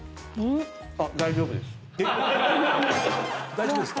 大丈夫ですか？